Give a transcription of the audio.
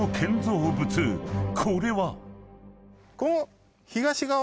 ［これは？］